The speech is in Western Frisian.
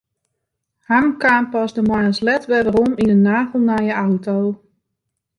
Harm kaam pas de moarns let wer werom yn in nagelnije auto.